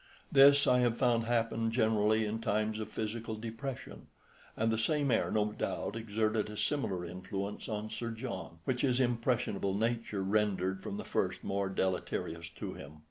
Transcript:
This I have found happen generally in times of physical depression, and the same air no doubt exerted a similar influence on Sir John, which his impressionable nature rendered from the first more deleterious to him.